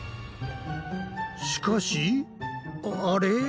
しかしあれ？